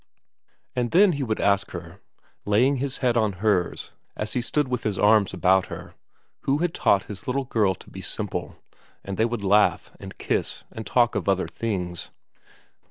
And then he would ask her, laying his head on hers as he stood with his arms about her, who had taught his little girl to be simple ; and they would laugh, and kiss, and talk of other things.